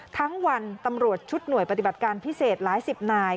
ทั้งวันตำรวจชุดหน่วยปฏิบัติการพิเศษหลายสิบนาย